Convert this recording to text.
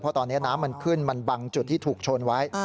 เพราะตอนนี้น้ำมันขึ้นมันบังจุดที่ถูกชนไว้